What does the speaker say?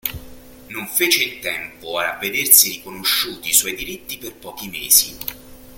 Non fece in tempo a vedersi riconosciuti i suoi diritti per pochi mesi.